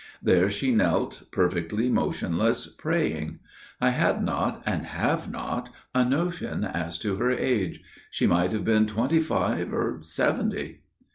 There she knelt perfectly motionless, praying. I had not, and have not, a notion as to her age. She might have been twenty five or seventy.